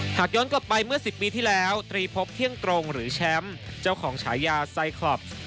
หากย้อนกลับไปเมื่อ๑๐ปีที่แล้วตรีพบเที่ยงตรงหรือแชมป์เจ้าของฉายาไซคลอป